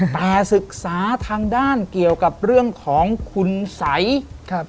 แต่ศึกษาทางด้านเกี่ยวกับเรื่องของคุณสัยครับ